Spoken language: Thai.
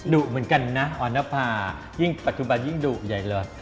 ดุเหมือนกันนะออนภายิ่งปัจจุบันยิ่งดุใหญ่เลย